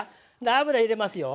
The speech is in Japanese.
油入れますよ。